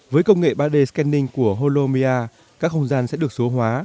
với công nghệ ba d scanning của holomia các không gian sẽ được số hóa